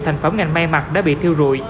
thành phẩm ngành mai mạc đã bị thiêu rùi